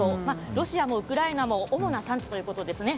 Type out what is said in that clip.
ロシアもウクライナも主な産地ということですね。